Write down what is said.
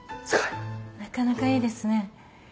なかなかいいですね。